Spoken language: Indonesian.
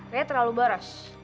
raya terlalu boros